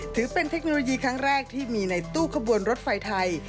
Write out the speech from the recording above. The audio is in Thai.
ถือเป็นเทคโนโลยีครั้งแรกที่มีในตู้ขบวนรถไฟไทย